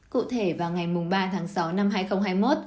cụ thể vào ngày ba tháng sáu năm hai nghìn hai mươi một